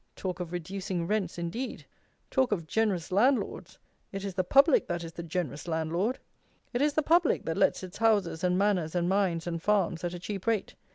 Talk of reducing rents, indeed! Talk of generous landlords! It is the public that is the generous landlord. It is the public that lets its houses and manors and mines and farms at a cheap rate.